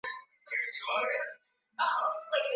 Mzee huyo ameandika vitabu vingi sana